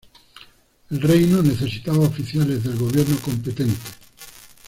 El reino necesitaba oficiales del gobierno competentes.